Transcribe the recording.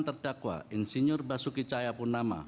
terdakwa insinyur basuki chayapunama